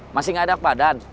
masih gak enak badan